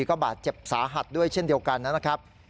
ก็บาดเจ็บสาหัสด้วยเช่นเดียวกันนะครับ